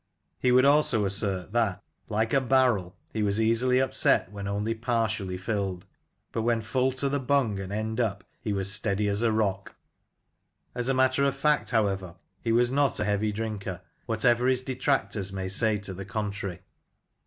He would also assert that, like a barrel, he was easily upset when only partially filled, but, when full to the bung, and end up, he was steady as a rock. As a matter of fact, however, he was not a heavy drinker, whatever his detractors may say to the contrary.